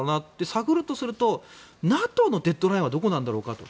探るとするとＮＡＴＯのデッドラインはどこなんだろうかと。